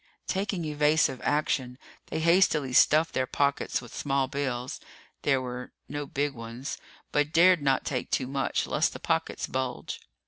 Taking evasive action, they hastily stuffed their pockets with small bills there were no big ones but dared not take too much lest the pockets bulge.